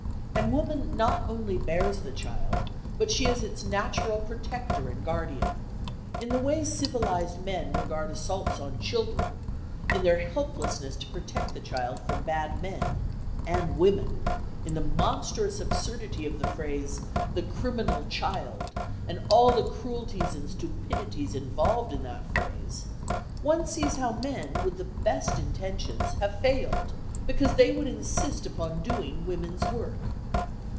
And woman not only bears the child, but she is its natural protector and guardian. In the way civilised men regard assaults on children, in their helplessness to protect the child from bad men,—and women,—in the monstrous absurdity of the phrase "the criminal child," and all the cruelties and stupidities involved in that phrase, one sees how men, with the best intentions, have failed, because they would insist upon doing women's work.